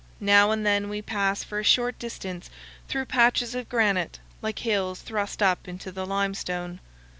Now and then we pass for a short distance through patches of granite, like hills thrust up into the limestone.